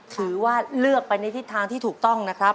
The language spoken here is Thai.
ถือว่าเลือกไปในทิศทางที่ถูกต้องนะครับ